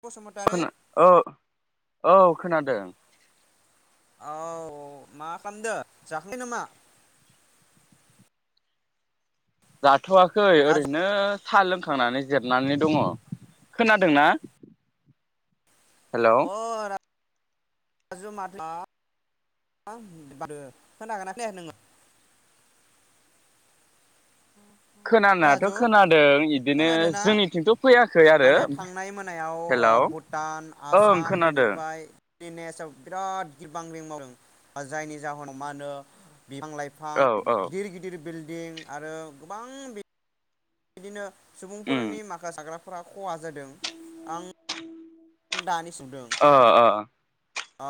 बसुमतारी खोना औ। औ खोनादों। औ मा खालामदो जाखै नामा। जा थवाखै राजु ओरैनो। साहा लोंखांनानै जिरनानै दङ खोनादोंना। हेल। [unintelligible] खागोना खोनाखै नों खोनानायाथ राजु खोनादों इदिनो खोनादों ना जोंनिथिंथ फैयाखै आरो माने थांनाय मोनायाव ओ हेल ओं खोनादों। लिनेसाव बिराद गबां रिं मावदों जायनि जाहोनाव मा होनो। बिफां लाइफां औ औ गिदिर गिदिर बिल दिं। आरो गोबां बि बिदिनो। उम सुबुंफोरनि माखा साग्रा फ्रा खहा जादों आं दानि ओ ओ‌।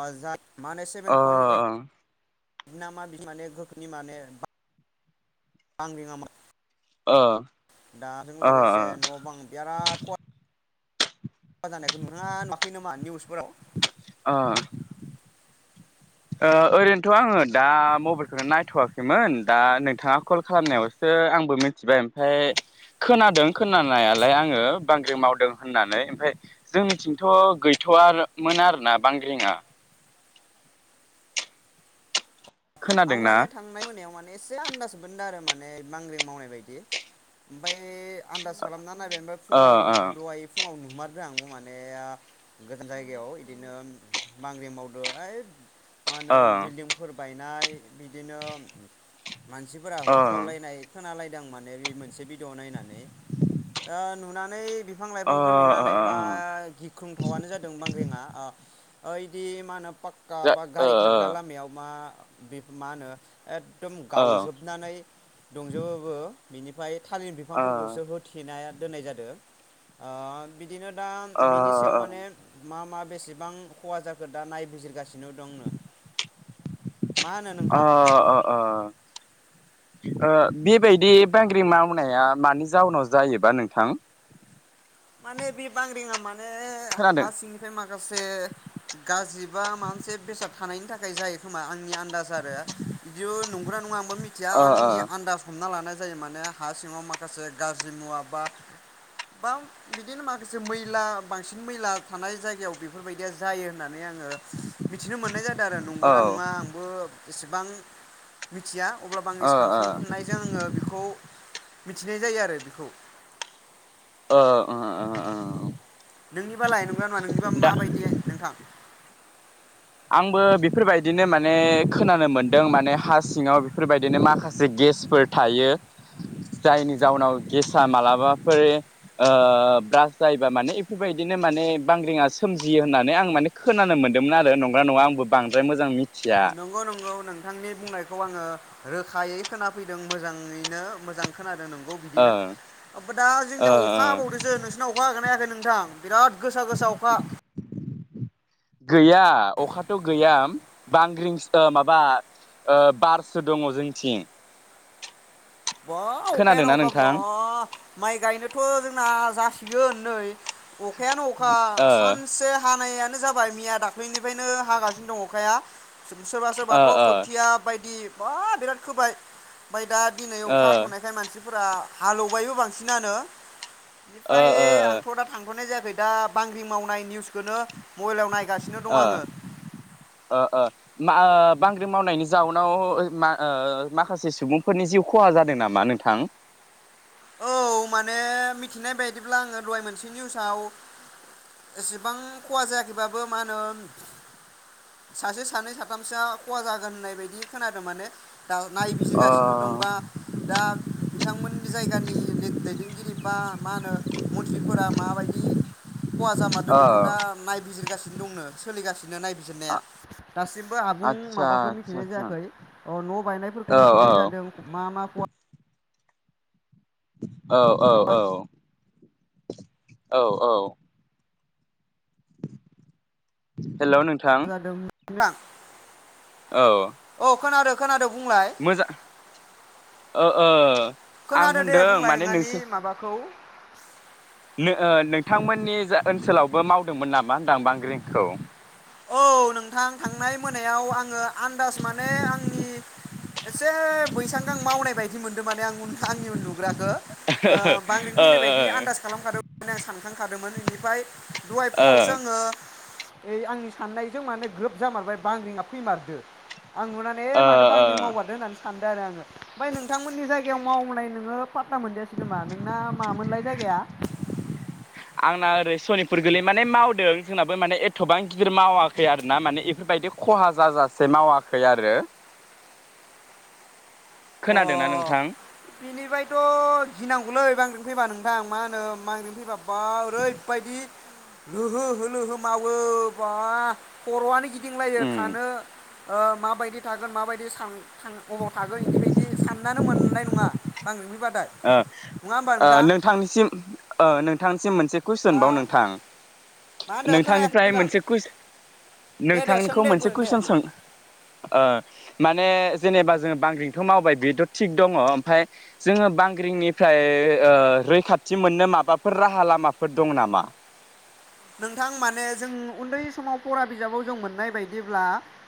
ओजा मा होनो सेभेन पइन्ट ओइट बिनामा बि माने गोखोनि माने। बांग्रि आ अ दाजों अ लोगोसे न बां बिराद ख मा जानायखौ नुनाङा नुवाखै नामा निउसफोराव। ओ। ओ ओरैनोथ आङो दा मबाइलखौनो नायथवाखैमोन दा नोंथाङा कल खालामनायावसो आंबो मिथिबाय ओमफाय खोनादों खोनानायालाय आङो बांग्रिं मावदों होननानै ओमफाय जोंनिथिंथ गैथवा आरो मोन आरोना बांग्रिंआ। आं खोनादोंना माने थांनाय मोनायाव माने एसे आनदाज मोनदों आरो माने बांग्रिं मावनाय बायदि ओमफ्राय आन्दाज खालामना नायबाय ओ फुङाव दहाय फुङाव नु हमारदों आंबो माने गोजान जायगायाव बिदिनो बांग्रि मावदो है मा होनो ओ बिल्डिंफोर बायनो नाय बिदिनो मानसिफोरा होख्रावलायनाय खोनालायदों माने बे मोनसे भिडिय' नायनानै द नुनानै नै बिफां ओ लाइफांखौ ओ नुनानै बा गिख्रुंथावनो जादों बांग्रिं आ ओइदि मा होनो पाक्का बा ओ गारि खारग्रा लामायाव मा बे मा होनो एकदम ओ गावजोबनानै दंजोबो बो बिनिफ्राय थालिर ओ बिफांफोरखौसो होथेना दोननाय जादों आ बि बिदिनो दा ओ बिनि ओ सायाव ओ माने मा मा बेसेबां खहा जाखो दा नायबिजिरगासिनो दंनो। मा होनो अ नोंथां अ अ बेबायदि बांग्रि मावनाया मानि जाउनाव जायोबा नोंथां माने बे बांग्रि आ मानो मो खोनादों हा सिंनिफ्राय मा माखासे गाज्रि बा मोनसे बेसाद थानायनि थाखाय जायो खोमा आंनि आन्दाज आरो बिदि नंगौ ना नङा मिथिया ओ ओ आंनि आन्दास हमना लानाय जायो माने हा सिङाव माखासे गाज्रि मुवा बा बा बिदिनो माखासे मैला बांसिन मैला थानाय जायगायाव बेफोरबायदिया जायो होननानै आङो मिथिनो मोननाय जादों आरो नंगौना औ नङा आंबो एसेबां मिथिया अब्लाबो आंनि ओ सानखांफिनायजों आङो बेखौ मिथिनाय जायो आरो बेखौ ओ अ अ अ नोंनिबा लाय नंगौना नङा नोंनिबा माबायदि नोंथां आंबो बेफोरबायदिनो माने खोनानो मोनदों माने हा सिङाव बेफोरबायदिनो माखासे गेसफोर थायो जायनि जाउनाव गेसा मालाबाफोर ब्रास जायोबा माने बेफोरबायदिनो माने बांग्रिङा सोमजियो होननानै आं माने खोनानो मोन्दोंमोन आरो नं नंगौ नङा आंबो बांद्रायोजां मिथि नंगौ नंगौ नोंथांनि बुंनायखौ आङो रोखायै खोनाफैदों मोजाङैनो मोजां खोनादों नों औ ओ बिदिनो ओमफाय दा जोंनिया ओ अखा हाबावदोसो नोंसिनियाव अखा होगोन ना हायाखै नोंथां। बिराद गोसा गोसा अखा गैया अखथ गैया बांग्रिं सो माबा ओ बारसो दङ जोंथिं बा अखायानो खोनादोंना अखा नोंथां बा माइ गायनोथ जोंना जासिगोन नै अखायानो अखा ओ सानसे हानाया नो जाबाय मैया दाख्लैनिफ्रायनो हागासिनो दं अखाया सोरबा ओ सोरबाथ' ओ खोथिया बायदि बा बिराद खोबाय ओमफाय दा दिन ओ हाथ नायखाय मानसि फोरा हालेवबायबो बांसिनानो ओ फाय आंथ दा थांथनाय जाया दा बांग्रि मावनाय निउसखौनो मबाइलाव नायगासिनो दं आङो। बा ओ बांग्रि मावनायनि जाउनाव मा ओ माखासे सुबुंफोरनि जिउ खहा जादों नामा नोंथां औ माने मिथिनाय बायदिब्ला आङो दहाय मोनसे निउसाव एसेबां खहा जायाखैबाबो मा होनो सासे सानै साथामसोआ खहा जागोन होननाय बायदि खोनादों माने दा नायबिजिर अ गासिनो दं बा दा नोंथांमोननि जाय गानि लेद दैदेनगिरि बा मा होनो मन्थ्रिफोरा माबायदि। खहा जामादो बेखौ ओ दा नायबिजिर सोलिनो दंनो सोलिगा नायबिजिरनाया दासिमबो आबुं आतसा माबाखौ आतसा मिथिनाय आतसा जायाखै ओ न' बायनायफोरखौ औ मिथिनाय औ जादों मा मा खहा औ औ औ औ औ [inaudible] हेल' नोंथां [unintelligible] औ खोनादों। खोनादों। बुंलाय मोजा ओ ओ आं खोनादो दे होनदों बुंलाय माने नों नोंहानि माबाखौ नो ओ नोंथांमोननि जा ओनसोलावबो मावदोंमोन नामा होनदां बांग्रिंखौ। औ नों नोंथां थांनाय मोनायाव आङो आन्दाज माने आंनि एसे बैसां आं मावनाय बायदि मोन माने आं आं उन्दुग्राखौ ओ बांग्रिं ओ फैनाय बायदि आन्दाज खालामखादों होननानै आं सानखांखादोंमोन बेनिफ्राय दहाय फुङावसो ओ आङो इ आंनि साननायजों माने ग्रोब जामारबाय बांग्रिंआ फैमारदो आं नुनानै ओ माथोबा आंजों ओ मावगारदों होननानैसै सानदों आरो आङो ओमफ्राय नोंथांमोननि जायगायाव मावनाय नोङो पातताना मोनजायासै नामा नोंना मामोनलाय जायगाया? आंना ओरै सनिपुर गोरलै माने मावदों जोंनाबो माने एथबां गिदिर मावाखै आरो ना माने इफोरबायदि खहा जाजासे मावाखै आरो अ खोनादोंना नोंथां बिनिफ्रायथ गिनांगौलै बांग्रिं फैबा नोंथां मा होनो बांग्रिं फैबाब बा ओरैबायदि लोहो होलोहो मावो बा खरआनो गिद गिदिंलायो उम थानो ओ माबायदि थागोन माबायदि सान थां अबाव थागोन इदिबायदि नानो मोननाय नङा बांग्रिं फैबाथाय ओ नङा होमबा ओ नोंथां नोंथांनिसिम ओ नोंथां सिम मोनसे कुइसन हा बाव नोंथां मा होनदो खोनायाखै नोंथांनिफ्राय नोंथां मोनसे कुइस दे दे सों नोंथांखौ दे मोनसे दे कुइसन सों ओ माने जेनेबा जोङो बांग्रिंथ मावबाय बेथ थिग दङ ओमफ्रायाय जोङो बां फांग्रिनिफ्राय ओ रैखाथि मोननो माबाफोर राहा लामाफोर दं नामा? नोंथां माने जों उन्दै समाव फरा बिजाबाव जों मोननाय बायदिब्ला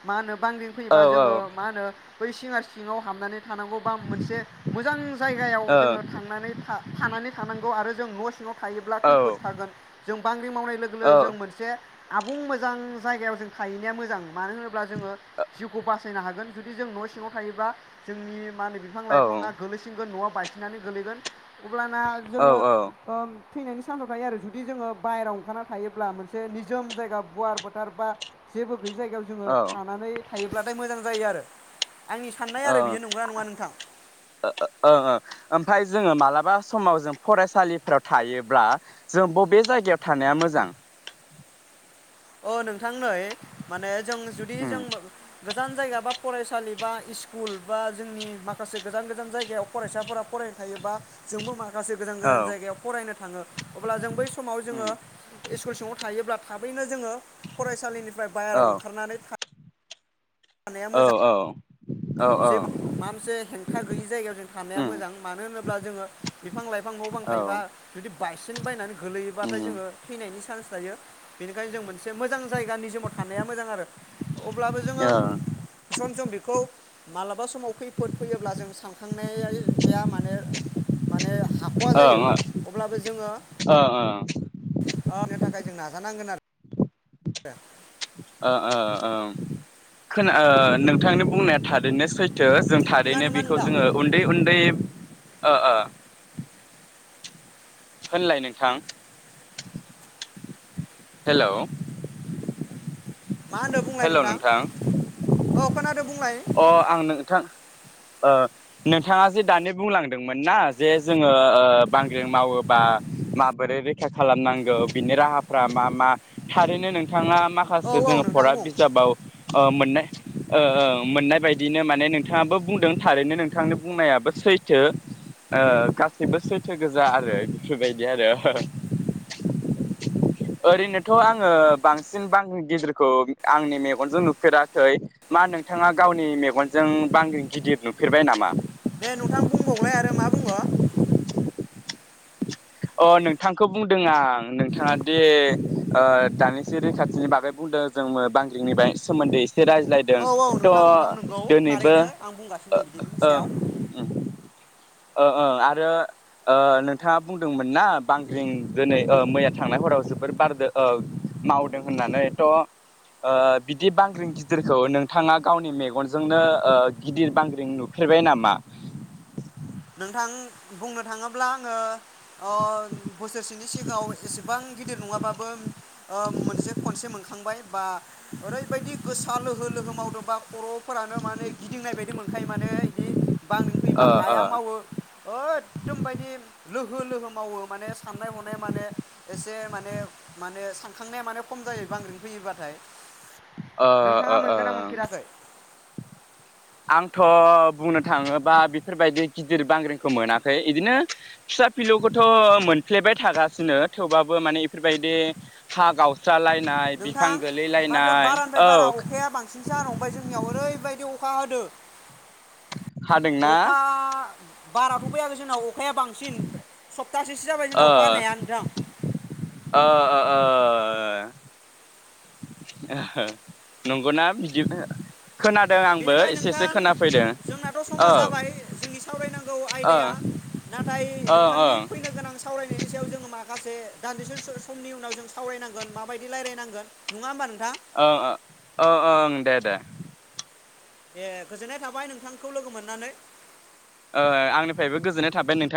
मा होनो बांंग्रिं औ फैयोबा औ जोङो मा होनो बै सिङार सिङाव हाबनानै थानांगौ बा मोनसे मोजां जायगायाव औ जोङो थांनानै था थानानै थानांगौ आरो जों न सिङाव थायोब्ला औ खैफोद थागोन जों बांग्रि मावनाय लो जों औ मोनसे आबुं मोजां जायगायाव जों थाहैनाया मोजां मानो होनोब्ला जोङो जिउखौ बासायनो हागोन जुदि जों न सिङाव थायोबा जोंनि मा होनो बिफां लाइफाङा औ गोलैसिनगोन नआव बायसिननानै गोलैगोन। अब्लाना जोङो औ औ थैनायनि सान्साव थायो आरो जुदि जोङो बायेरायाव ओंखारना थायोब्ला मोनसे निजोम जायगा गुवार फोथार बा जेबो बे जायगायाव जोङो औ ओं थानानै हायोब्लाथाय मोजां जायो आरो आंनि साननाय औ आरो बियो नंगौना नङा नोंथां ओ ओ ओमफाय जोङो मालाबा समाव जों फरायसालिफ्राव थायोब्ला जों बबे जायगायाव थानाया मोजां? अ नों थां नै माने जों जुदि उम जों गोजान जायगा बा फरायसा सालि बा इस्कुल बा जोंनि माखासे गोजान गोजान जायगायाव फरायसाफोरा फरायनो थायोबा जोंबो माखासे गोजान औ गोजान जायगायाव फरायनो थाङो अब्ला जों बै समाव उम जोङो इस्कुल सिङाव थायोब्लाब थाबैनो जोङो फरायसालिनिफ्राय औ बायेरायाव ओंखारनानै थां औ औ औ औ जे माबा मोनसे हेंथा गैयि जायगायाव जों थानाया उम मोजां मानो होनोब्ला जोङो बिफां लाइफां न' बां औ थायोबा जुदि बायसेन बायनानै गोलैयोबाथाय उम जोङो थैनायनि चान्स थायो बेनिखायनो जों मोनसे मोजां जायगानि समाव थानाया मोजां आरो अब्लाबो जोङो ओं ओं सम सम बेखौ माब्लाबा समाव खैफोद फैयोब्ला जों सानखांनाया माने-माने हाख'वा जायो अब्लाबो जोङो अ ओ, नो थाखाय जों नाजानांगोन आरो [inaudible] ओ ओ ओं खो-खोना नोंथांनि बुंनाया थारैनो सै थो जों नङा थारैनो नामा बेखौ नोंथां जोङो उन्दै-उन्दै ओ ओ होनलाय नोंथां हेल' मा होनो बुंलाय नोंथां अ खोनादो बुंलाय अ आं नोंथां ओ नोंथाङा जे दानि बुंलांदोंमोन ना जे जोङो ओ बांग्रिं मावोबा माबोरै रैखा खालामनांगौ बिनि राहाफ्रा मा मा थारैनो नोंथाङा मा‌ औ माखासे औ जोङो नोंथां फरा बुं बिजाबाव ओ मोननाय ओ ओ मोननाय बायदिनो माने नोंथाङ बुंदों थारैनो नोंथांनि बुंनायाबो सैथो ओ गासैबो सैथो गोजा आरो बेफोरबायदि आरो ओरैनोथ' आङो बांसिन बांग्रिं गिदिरखौ आंनि मेगनजों नुफेराखै मा नोंथाङा गावनि मेगनजों बांग्रिं गिदिर नुफेरबाय नामा दे नोंथां बुंबावलाय आरो मा बुङो अ नोंथांखौ बुंदों आं नोंथाङा दे दानिसो रैखाथिनि बागै बुंदों जोंयो बांग्रिंनि सोमोन्दै एसे रायज्लायदों औ औ थ' नोंथां नोंथां नंगौ दिनैबो थारैनो आं बुंगासिनो दं बिदिनि सायाव ओ ओ आरो ओ नोंथाङा बुंदोंमोन ना बांग्रिं दिनै मैया थांनाय हराव जोबोर बारदो मावदों होननानै थ' बिदि बांग्रिं गिदिरखौ नोंथाङा गावनि मेगनजोंनो गिदिर बांग्रिं नुफेरबाय नामा नोंथां बुंनो थाङोब्ला आङो अ बोसोरसेनि सिगाङाव एसेबां गिदिर नङाबाबो मोनसे खनसे मोनखांबाय बा ओरैबायदि गोसा लोहो लोहो मावदोंबा खर'फोरानो माने गिदिंनाय बायदि मोनखायो माने बे बांग्रिं फैबा ओ ओ हायााम मावो ओददोम बादि लोहो लोहो मावो माने साननाय हनाया माने एसे माने माने सानखांनाया माने खम जायो बांग्रिं फैयोबाथाय ओ नोंथाङा ओ मोनगोन ना ओ मोनफेराखै आंथ' बुंनो थाङोबा बेफोरबायदि गिदिर बांग्रिंखौ मोनाखै बिदिनो फिसा फिलौखौथ' मोनफ्लेबाय थागासिनो थेवबाबो माने बेफोरबायदि हा गावस्रा। नोंथां माथो बारानिफ्राय औ बारा अखाया बांसिनसो हानो हमबाय जोंनियाव ओरैबायदि अ अखा हादो हादोंना अखा बाराथ' फैयाखै जोंनाव अखाया बांसिन स सप्तासेसो जाबाय ओ जोंनाव अखा हानाया नोंथां ओ ओ ओ ओह नंगौना बिदि खोनादों आंबो बेनिफ्राय एसे एसे नोंथां खोनाफैदों जोंनाथ' औ समा जाबाय जोंनि सावरायनांगौ ओं ओं आयदाया नाथाय ओं नोंथांनि ओं फैनो गोनां सावरायनायनि सायाव जोङो मा माखासे दान्दिसे समनि उनाव जों सावरायनांगोन माबायदि रायज्लायनांगोन नङा होमबा नों ओं ओ ओ ओं दे दे दे गोजोननाय थाबाय नोंथांखौ लोगो मोननानै ओ ओह आंनिफ्रायबो गोजोननाय थाबाय नोंथां